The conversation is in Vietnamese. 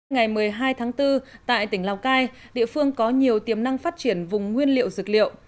ngày một mươi hai tháng bốn tại tỉnh lào cai địa phương có nhiều tiềm năng phát triển vùng nguyên liệu dược liệu